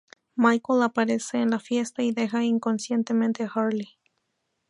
Michael aparece en la fiesta y deja inconsciente a Harley.